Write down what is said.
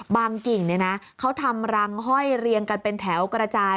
กิ่งเขาทำรังห้อยเรียงกันเป็นแถวกระจาย